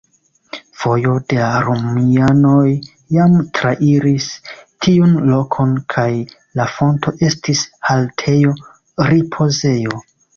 Vojo de la romianoj jam trairis tiun lokon kaj la fonto estis haltejo, ripozejo.